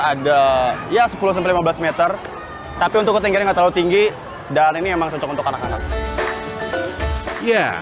ada ya sepuluh lima belas meter tapi untuk ketinggiannya nggak terlalu tinggi dan ini emang cocok untuk anak anak ya